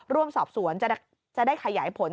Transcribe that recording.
ร่วมสอบสวนจะได้ขยายผล